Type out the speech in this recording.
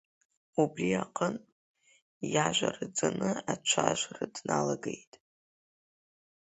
Убри аҟынтә, иажәа раӡаны ацәажәара дналагеит…